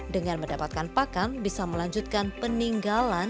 dengan mendapatkan pakan bisa melanjutkan peninggalan